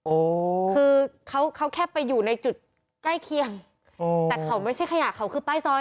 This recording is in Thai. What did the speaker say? โอ้โหคือเขาเขาแค่ไปอยู่ในจุดใกล้เคียงอืมแต่เขาไม่ใช่ขยะเขาคือป้ายซอย